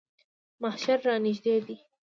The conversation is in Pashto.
محشر رانږدې دی.